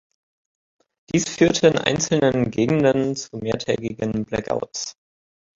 Dies führte in einzelnen Gegenden zu mehrtägigen Blackouts.